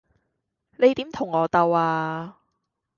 你點同我鬥呀?